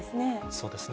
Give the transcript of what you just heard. そうですね。